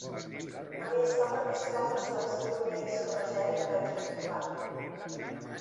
A més va participar amb la selecció d'hoquei sobre gel de Txecoslovàquia.